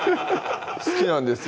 好きなんです